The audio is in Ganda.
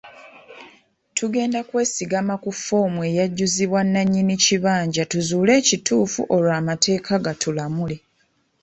Tugenda kwesigama ku ffoomu eyajjuzibwa nnannyini kibanja tuzuule ekituufu olwo amateeka gatulamule.